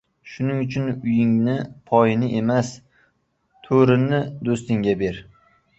Shuning uchun uyingni poyini emas to‘rini do‘stinga ber.